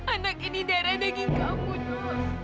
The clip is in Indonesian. anak ini darah daging kamu don